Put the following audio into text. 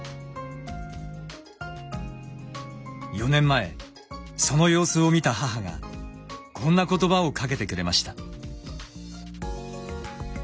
４年前その様子を見た母がこんな言葉をかけてくれました。